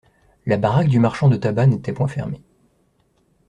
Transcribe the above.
La baraque du marchand de tabac n'était point fermée.